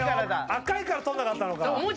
赤いから取んなかったのか。